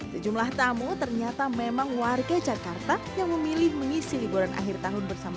sejumlah tamu ternyata memang warga jakarta yang memilih mengisi liburan akhir tahun bersama